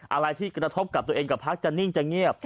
อะไรที่กระทบกับตัวเองกับพักจะนิ่งจะเงียบ